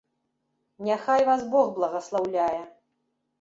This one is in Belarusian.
Няхай вас бог благаслаўляе.